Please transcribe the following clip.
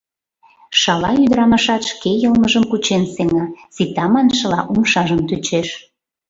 Шала ӱдырамашат шке йылмыжым кучен сеҥа, сита маншыла, умшажым тӱчеш.